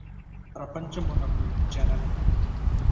ప్రపంచమునకు జనని